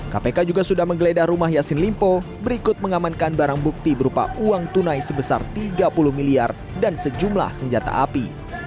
kpk juga sudah menggeledah rumah yassin limpo berikut mengamankan barang bukti berupa uang tunai sebesar tiga puluh miliar dan sejumlah senjata api